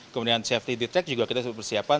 kemudian safety di trek juga kita sudah persiapkan